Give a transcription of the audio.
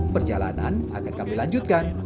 perjalanan akan kami lanjutkan